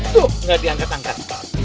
tuh gak diangkat angkat